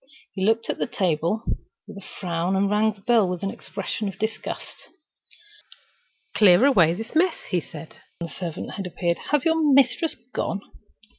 He looked at the table with a frown, and rang the bell with an expression of disgust. "Clear away this mess," he said, when the servant appeared. "Has your mistress gone?"